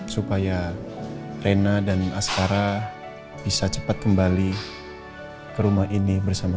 supaya rena dan astara bisa cepat kembali ke rumah ini bersama